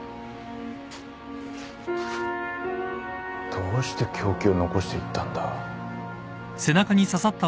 どうして凶器を残していったんだ。